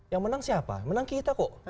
yang menang siapa menang kita kok